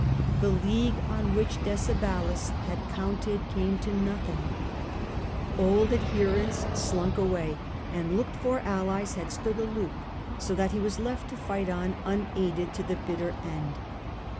'fhe league on which Decebalus had counted came to nothing : old adherents slunk away, and looked for allies had stood aloof, so that he was left to fight on unaided to the bitter end.